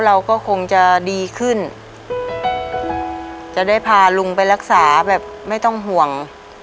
เราก็คงจะดีขึ้นจะได้พาลุงไปรักษาแบบไม่ต้องห่วง